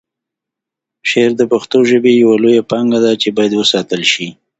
شعر د پښتو ژبې یوه لویه پانګه ده چې باید وساتل شي.